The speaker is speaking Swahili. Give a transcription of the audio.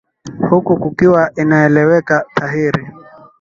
huku kukiwa inaeleweka dhahiri